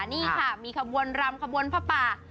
นี่ค่ะมีขบวนรำขบวนผ้าป่า